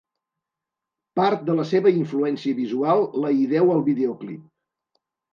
Part de la seva influència visual la hi deu al videoclip.